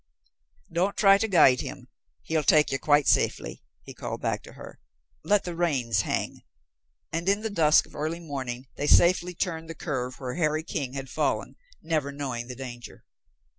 "Don't try to guide him; he'll take you quite safely," he called back to her. "Let the reins hang." And in the dusk of early morning they safely turned the curve where Harry King had fallen, never knowing the danger.